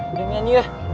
udah nyanyi ya